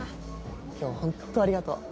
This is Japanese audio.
今日はほんとありがとう。